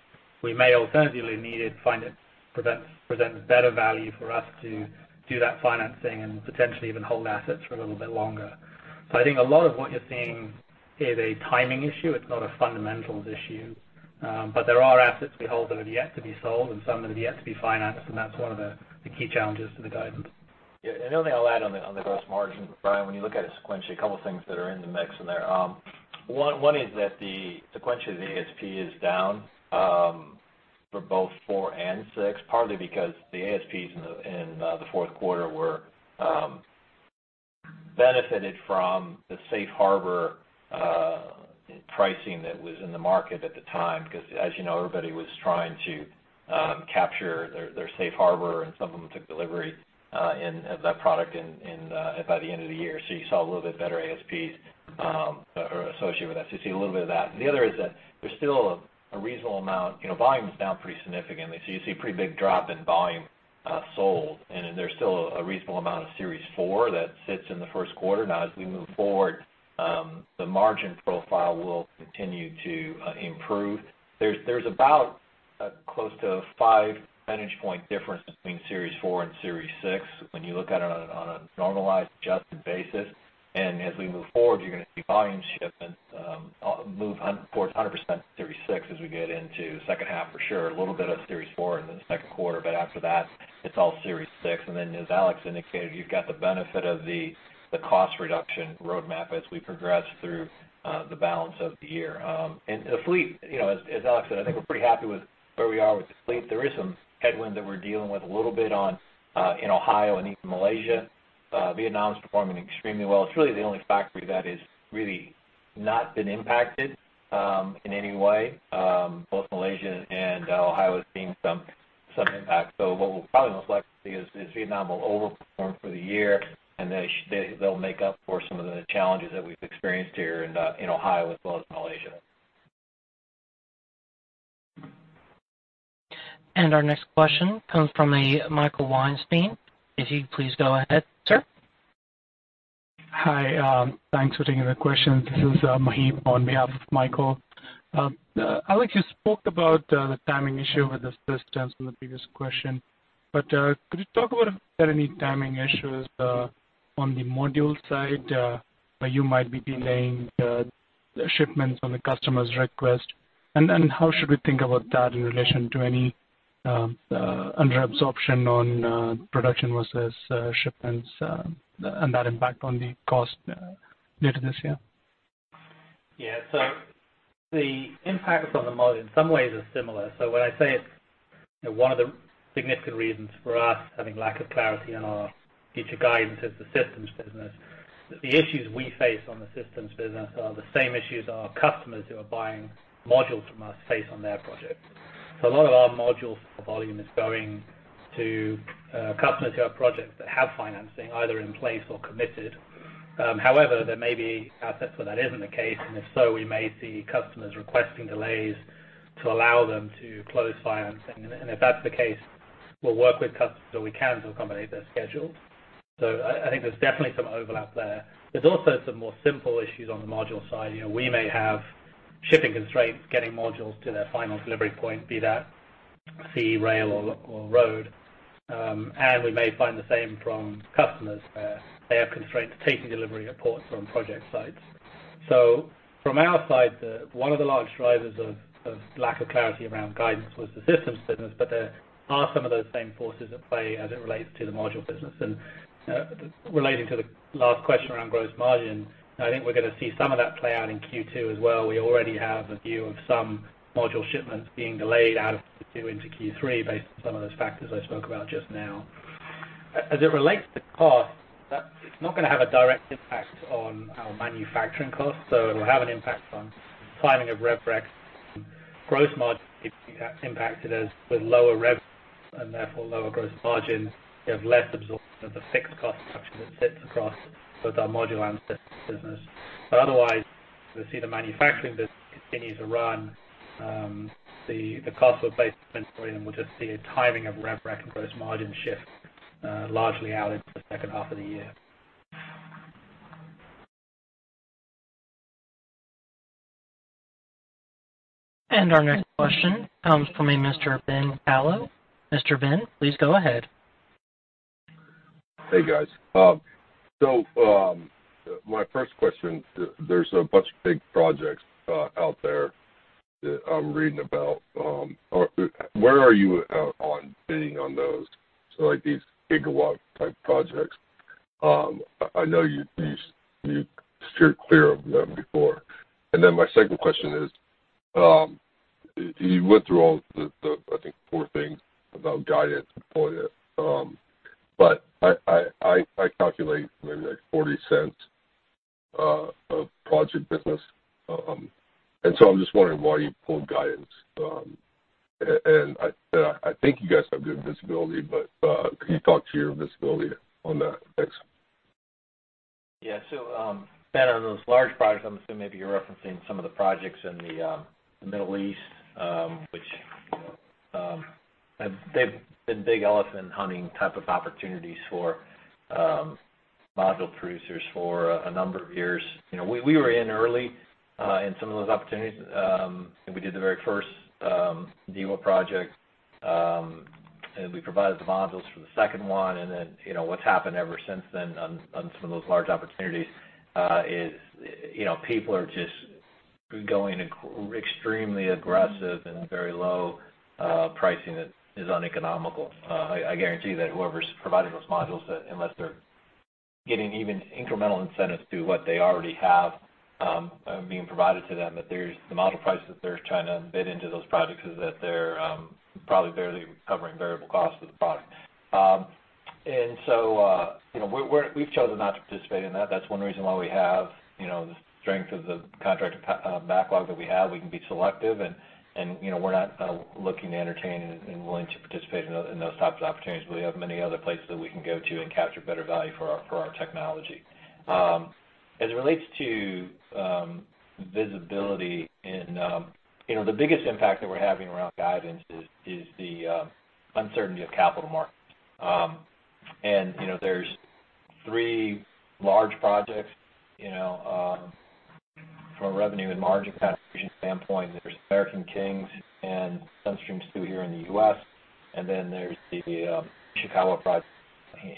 We may alternatively, if needed, find it presents better value for us to do that financing and potentially even hold assets for a little bit longer. I think a lot of what you're seeing is a timing issue. It's not a fundamentals issue. There are assets we hold that are yet to be sold and some that are yet to be financed, and that's one of the key challenges to the guidance. The only thing I'll add on the gross margin, Brian, when you look at it sequentially, a couple of things that are in the mix in there. One is that the sequential ASP is down for both four and six, partly because the ASPs in the fourth quarter benefited from the safe harbor pricing that was in the market at the time. Because as you know, everybody was trying to capture their safe harbor, and some of them took delivery of that product by the end of the year. You saw a little bit better ASPs associated with that. You see a little bit of that. The other is that there's still a reasonable amount. Volume is down pretty significantly, so you see a pretty big drop in volume sold, and then there's still a reasonable amount of Series 4 that sits in the first quarter. Now, as we move forward, the margin profile will continue to improve. There's about close to a 5 percentage point difference between Series 4 and Series 6 when you look at it on a normalized, adjusted basis. As we move forward, you're going to see volume shipments move towards 100% Series 6 as we get into the second half for sure. A little bit of Series 4 in the second quarter, but after that, it's all Series 6. As Alex indicated, you've got the benefit of the cost reduction roadmap as we progress through the balance of the year. The fleet, as Alex said, I think we're pretty happy with where we are with the fleet. There are some headwinds that we're dealing with a little bit in Ohio and East Malaysia. Vietnam is performing extremely well. It's really the only factory that has really not been impacted in any way. Both Malaysia and Ohio have seen some impact. What we'll probably most likely see is Vietnam will overperform for the year, and they'll make up for some of the challenges that we've experienced here in Ohio as well as Malaysia. Our next question comes from a Michael Weinstein. If you'd please go ahead, sir. Hi. Thanks for taking the question. This is Maheep on behalf of Michael. Alex, you spoke about the timing issue with the systems in the previous question. Could you talk about if there are any timing issues on the module side where you might be delaying the shipments on the customer's request, and how should we think about that in relation to any under absorption on production versus shipments and that impact on the cost later this year? Yeah. The impacts on the module in some ways are similar. When I say it's one of the significant reasons for us having lack of clarity on our future guidance is the systems business. The issues we face on the systems business are the same issues our customers who are buying modules from us face on their projects. A lot of our module volume is going to customers who have projects that have financing either in place or committed. However, there may be assets where that isn't the case, and if so, we may see customers requesting delays to allow them to close financing. If that's the case, we'll work with customers where we can to accommodate their schedules. I think there's definitely some overlap there. There's also some more simple issues on the module side. We may have shipping constraints getting modules to their final delivery point, be that sea, rail, or road. We may find the same from customers where they have constraints taking delivery at ports or on project sites. From our side, one of the large drivers of lack of clarity around guidance was the systems business, but there are some of those same forces at play as it relates to the module business. Relating to the last question around gross margin, I think we're going to see some of that play out in Q2 as well. We already have a view of some module shipments being delayed out of Q2 into Q3 based on some of those factors I spoke about just now. As it relates to cost, it's not going to have a direct impact on our manufacturing costs, so it will have an impact on timing of Revenue Recognition. Gross margin could be impacted as with lower revenue and therefore lower gross margins, you have less absorption of the fixed cost structure that sits across both our module and systems business. Otherwise, we'll see the manufacturing business continue to run. The costs were placed in inventory, and we'll just see a timing of Revenue Recognition and gross margin shift largely out into the H2 of the year. Our next question comes from a Mr. Ben Kallo. Mr. Ben, please go ahead. Hey, guys. My first question, there's a bunch of big projects out there that I'm reading about. Where are you at on bidding on those? Like these gigawatt-type projects. I know you steered clear of them before. My second question is, you went through all the, I think, four things about guidance before yet. I calculate maybe like $0.40 of project business. I'm just wondering why you pulled guidance. I think you guys have good visibility, but can you talk to your visibility on that? Thanks. Yeah. Ben, on those large projects, I'm assuming maybe you're referencing some of the projects in the Middle East, which, they've been big elephant hunting type of opportunities for module producers for a number of years. We were in early in some of those opportunities. I think we did the very first demo project, and we provided the modules for the second one, what's happened ever since then on some of those large opportunities is, people are just going extremely aggressive and very low pricing that is uneconomical. I guarantee that whoever's providing those modules, unless they're getting even incremental incentives to what they already have being provided to them, that there's the module prices they're trying to bid into those projects is that they're probably barely covering variable costs of the product. We've chosen not to participate in that. That's one reason why we have the strength of the contracted backlog that we have. We can be selective, we're not looking to entertain and willing to participate in those types of opportunities, but we have many other places that we can go to and capture better value for our technology. As it relates to visibility in, the biggest impact that we're having around guidance is the uncertainty of capital markets. There's three large projects, from a revenue and margin contribution standpoint. There's American Kings and Sun Streams 2 here in the U.S., and then there's the Chikugo project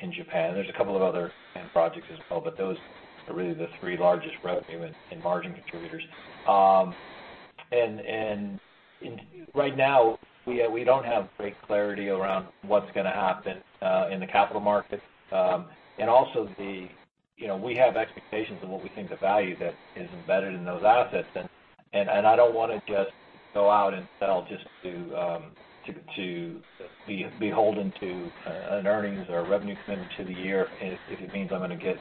in Japan. There's a couple of other planned projects as well, but those are really the three largest revenue and margin contributors. Right now, we don't have great clarity around what's going to happen in the capital markets. Also, we have expectations of what we think the value that is embedded in those assets is, and I don't want to just go out and sell just to be beholden to an earnings or a revenue commitment to the year if it means I'm going to get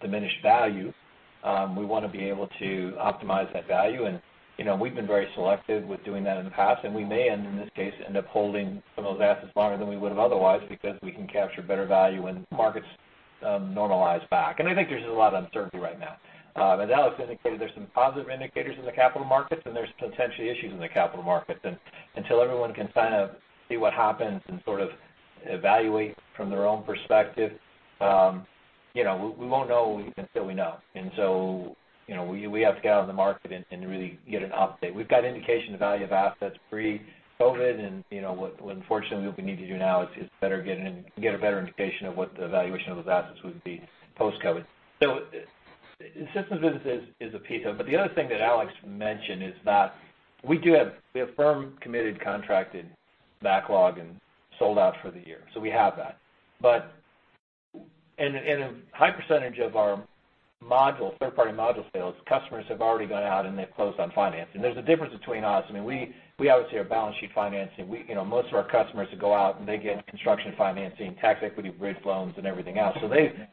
diminished value. We want to be able to optimize that value, and we've been very selective with doing that in the past, and we may, in this case, end up holding some of those assets longer than we would've otherwise because we can capture better value when markets normalize back. I think there's a lot of uncertainty right now. As Alex indicated, there's some positive indicators in the capital markets, and there's potentially issues in the capital markets, and until everyone can kind of see what happens and sort of evaluate from their own perspective, we won't know until we know. We have to get out in the market and really get an update. We've got indication of value of assets pre-COVID and, unfortunately, what we need to do now is get a better indication of what the valuation of those assets would be post-COVID. The systems business is a piece of it, but the other thing that Alex mentioned is that we do have firm, committed contracted backlog and sold out for the year, so we have that. In a high percentage of our third-party module sales, customers have already gone out and they've closed on financing. There's a difference between us. We obviously are balance sheet financing. Most of our customers who go out and they get construction financing, tax equity, bridge loans, and everything else.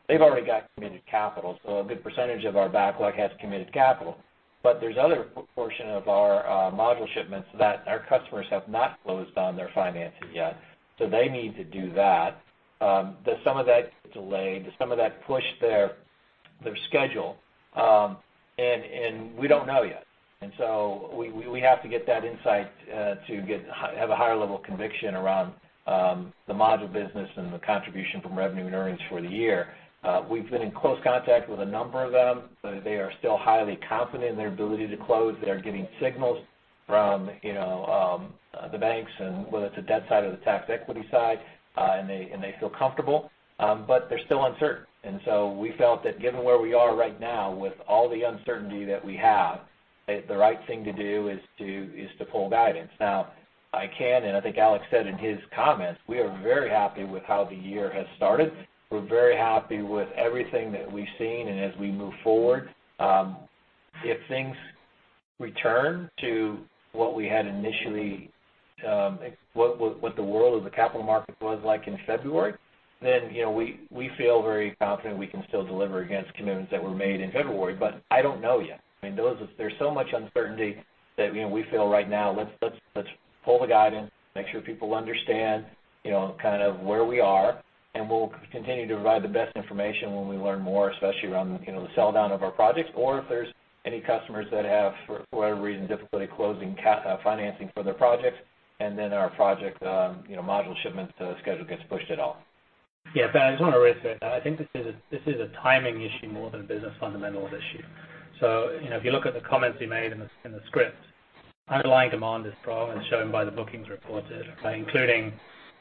They've already got committed capital. A good percentage of our backlog has committed capital. There's other portion of our module shipments that our customers have not closed on their financing yet. They need to do that. Some of that gets delayed. Some of that pushed their schedule, and we don't know yet. We have to get that insight, to have a higher level of conviction around the module business and the contribution from revenue and earnings for the year. We've been in close contact with a number of them. They are still highly confident in their ability to close. They are getting signals from the banks and whether it's the debt side or the tax equity side, and they feel comfortable. They're still uncertain. We felt that given where we are right now with all the uncertainty that we have, the right thing to do is to pull guidance. Now, I can, and I think Alex said in his comments, we are very happy with how the year has started. We're very happy with everything that we've seen, and as we move forward, if things return to what we had initially, what the world of the capital market was like in February, then we feel very confident we can still deliver against commitments that were made in February. I don't know yet. There's so much uncertainty that, we feel right now, let's pull the guidance, make sure people understand where we are, and we'll continue to provide the best information when we learn more, especially around the sell-down of our projects, or if there's any customers that have, for whatever reason, difficulty closing financing for their projects, and then our project module shipments schedule gets pushed at all. Yeah. Ben, I just want to reiterate that I think this is a timing issue more than a business fundamentals issue. If you look at the comments you made in the script, underlying demand is strong as shown by the bookings reported, including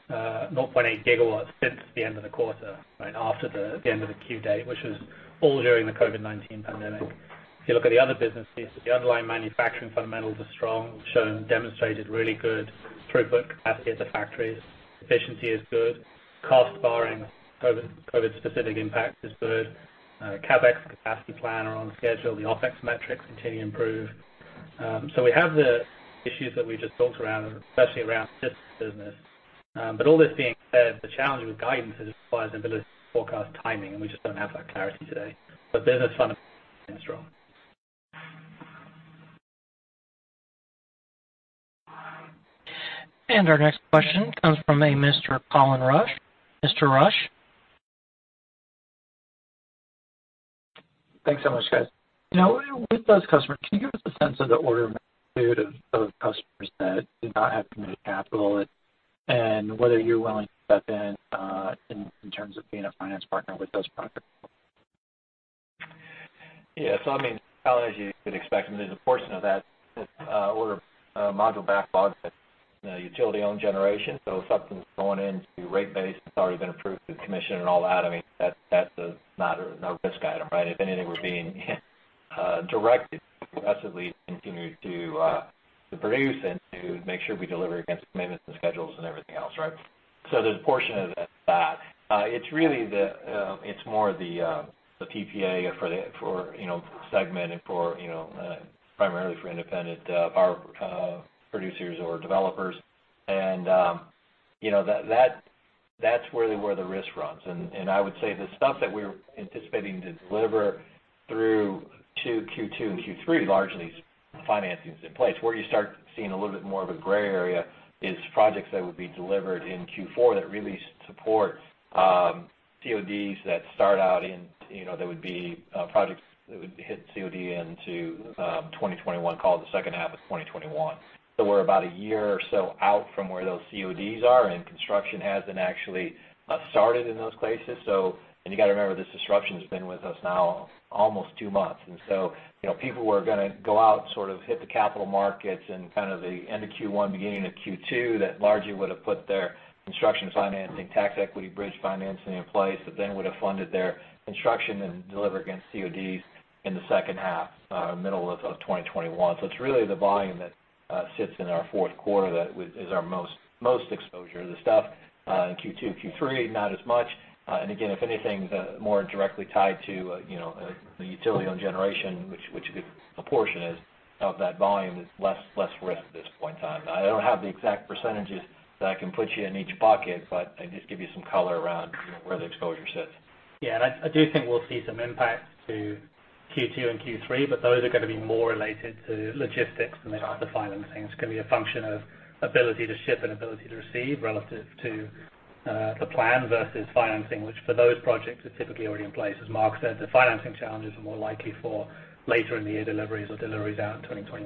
0.8 GW since the end of the quarter, after the end of the Q date, which was all during the COVID-19 pandemic. If you look at the other businesses, the underlying manufacturing fundamentals are strong. We've shown, demonstrated really good throughput capacity at the factories. Efficiency is good. Cost, barring COVID-specific impacts, is good. CapEx and capacity plan are on schedule. The OpEx metrics continue to improve. We have the issues that we just talked around, especially around the systems business. All this being said, the challenge with guidance is, requires the ability to forecast timing, and we just don't have that clarity today. Business fundamentals remain strong. Our next question comes from a Mr. Colin Rusch. Mr. Rusch? Thanks so much, guys. With those customers, can you give us a sense of the order of magnitude of customers that did not have committed capital, and whether you're willing to step in in terms of being a finance partner with those projects? Yeah. Colin, as you could expect, I mean, there's a portion of that order of module backlog that's utility-owned generation. If something's going into rate base that's already been approved through the commission and all that, I mean, that's not a risk item, right? If anything, we're being directed aggressively to continue to produce and to make sure we deliver against commitments and schedules and everything else, right? There's a portion of that. It's more the PPA segment and primarily for independent power producers or developers. That's really where the risk runs. I would say the stuff that we're anticipating to deliver through to Q2 and Q3, largely is financings in place. Where you start seeing a little bit more of a gray area is projects that would be delivered in Q4 that really support projects that would hit COD into 2021, call it the H2 of 2021. We're about a year or so out from where those CODs are, and construction hasn't actually started in those places. You got to remember, this disruption's been with us now almost two months. People who are going to go out, sort of hit the capital markets in kind of the end of Q1, beginning of Q2, that largely would have put their construction financing, tax equity bridge financing in place, that then would have funded their construction and delivery against CODs in the second half, middle of 2021. It's really the volume that sits in our fourth quarter that is our most exposure. The stuff in Q2, Q3, not as much. Again, if anything, more directly tied to the utility-owned generation, which a good portion of that volume is less risk at this point in time. I don't have the exact percentages that I can put you in each bucket, but I can just give you some color around where the exposure sits. Yeah, I do think we'll see some impact to Q2 and Q3. Those are going to be more related to logistics than they are to financing. It's going to be a function of ability to ship and ability to receive relative to the plan versus financing, which for those projects, are typically already in place. As Mark said, the financing challenges are more likely for later in the year deliveries or deliveries out in 2021.